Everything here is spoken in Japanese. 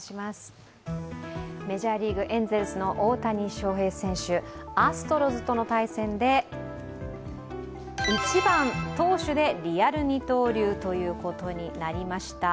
メジャーリーグ、エンゼルスの大谷翔平選手、アストロズとの対戦で１番・投手でリアル二刀流ということになりました。